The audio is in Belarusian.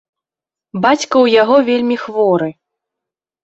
Бацька ў яго вельмі хворы.